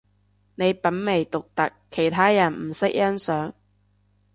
你品味獨特，其他人唔識欣賞